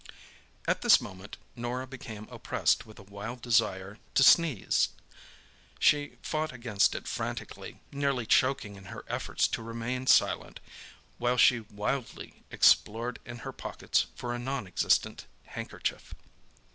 At this moment Norah became oppressed with a wild desire to sneeze. She fought against it frantically, nearly choking in her efforts to remain silent, while she wildly explored in her pockets for a nonexistent handkerchief.